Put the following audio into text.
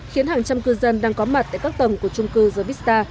hàng trăm cư dân đang có mặt tại các tầng của trung cư gia vista